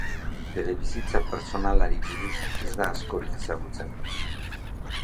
Bere bizitza pertsonalari buruz ez da askorik ezagutzen.